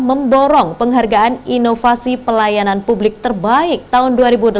memborong penghargaan inovasi pelayanan publik terbaik tahun dua ribu delapan belas